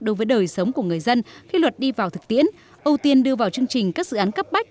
đối với đời sống của người dân khi luật đi vào thực tiễn ưu tiên đưa vào chương trình các dự án cấp bách